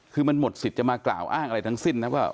คือมันหมดสิทธิ์จะมากล่าวอ้างอะไรทั้งสิ้นนะว่า